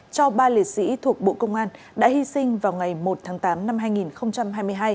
cho ba liệt sĩ thuộc bộ công an đã hy sinh vào ngày một tháng tám năm hai nghìn hai mươi hai